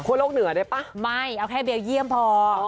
โลกเหนือได้ป่ะไม่เอาแค่เบลเยี่ยมพอ